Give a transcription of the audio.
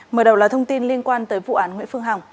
mở đầu là thông tin liên quan tới vụ án nguyễn phương hằng